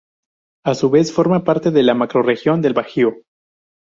A su vez forma parte de la macro-región del Bajío.